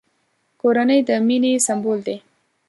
کورنۍ د مینې سمبول دی!